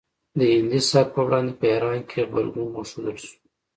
د هندي سبک په وړاندې په ایران کې غبرګون وښودل شو